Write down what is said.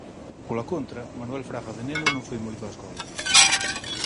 Pola contra, Manuel Fraga de neno non foi moito á escola.